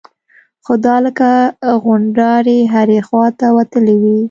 خو دا لکه غونډارې هرې خوا ته وتلي وي.